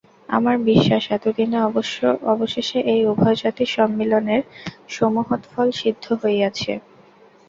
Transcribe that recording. আমার বিশ্বাস, এতদিনে অবশেষে এই উভয় জাতির সম্মিলনের সুমহৎ ফল সিদ্ধ হইয়াছে।